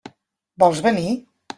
Vols venir?